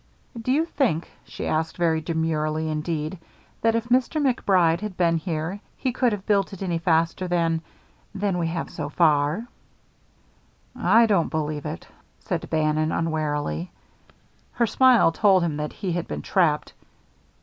"Do you think," she asked very demurely, indeed, "that if Mr. MacBride had been here he could have built it any faster than than we have, so far?" "I don't believe it," said Bannon, unwarily. Her smile told him that he had been trapped.